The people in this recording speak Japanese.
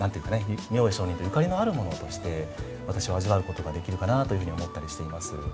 明恵上人とゆかりのあるものとして私は味わうことができるかなというふうに思ったりしています。